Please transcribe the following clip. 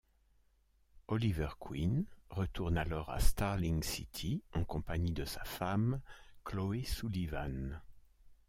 Oliver Queen retourne alors à Starling City en compagnie de sa femme, Chloé Sullivan.